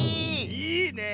いいねえ。